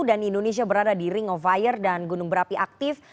dan indonesia berada di ring of fire dan gunung berapi aktif